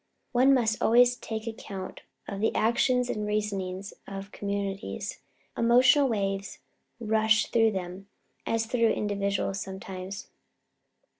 One must always take account of the actions and reasonings of communities. Emotional waves rush through them as through individuals sometimes.